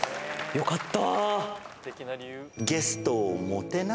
よかった。